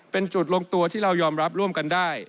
เป็นจุดลงตัวที่เรายอมรับร่วมกันได้